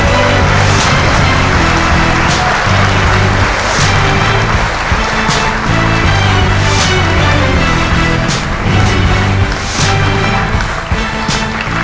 สวัสดีครับ